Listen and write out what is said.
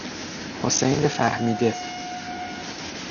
حسین فهمیده